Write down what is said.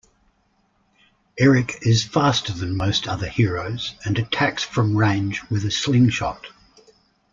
Erik is faster than most other heroes, and attacks from range with a slingshot.